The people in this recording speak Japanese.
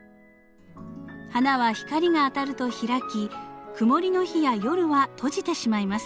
花は光が当たると開き曇りの日や夜は閉じてしまいます。